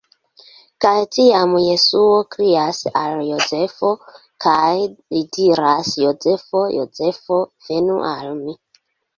Kaj tiam Jesuo krias al Jozefo, kaj li diras: "Jozefo! Jozefo, venu al mi!